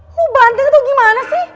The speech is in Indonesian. lo banteng atau gimana sih